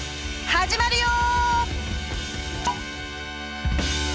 始まるよ！